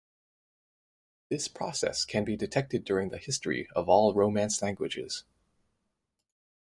This process can be detected during the history of all Romance languages.